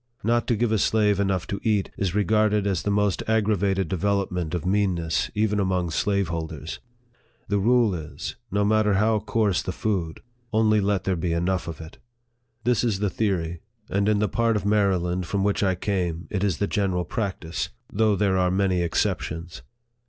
Not to give a slave enough to eat, is re garded as the most aggravated development of mean ness even among slaveholders. The rule is, no mat ter how coarse the food, only let there be enough of it. This is the theory ; and in the part of Maryland from which I came, it is the general practice, though 52 NARRATIVE OF THE there are many exceptions.